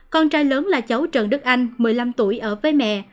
con trai lớn là cháu trần đức anh một mươi năm tuổi ở với mẹ